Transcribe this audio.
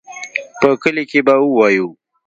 په کلي کښې به ووايو.